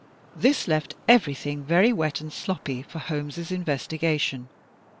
This left every thing very wet and sloppy for Holmes' investigation.